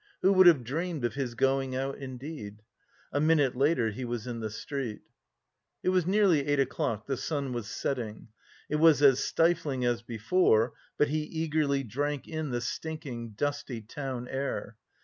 Who would have dreamed of his going out, indeed? A minute later he was in the street. It was nearly eight o'clock, the sun was setting. It was as stifling as before, but he eagerly drank in the stinking, dusty town air.